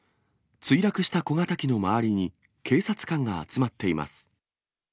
墜落した小型機の周りに警察官が集まっています。